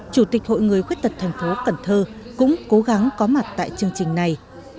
chủ tịch hội người khuyết tật thành phố cần thơ cũng cố gắng có mặt tại chương trình này